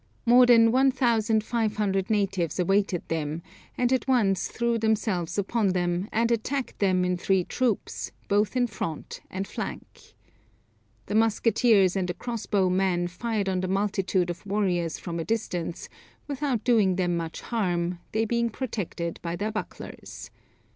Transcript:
More than 1500 natives awaited them, and at once threw themselves upon them, and attacked them in three troops, both in front and flank. The musketeers and the crossbow men fired on the multitude of warriors from a distance, without doing them much harm, they being protected by their bucklers.